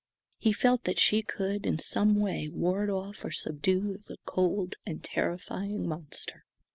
He felt that she could in some way ward off or subdue the cold and terrifying monster.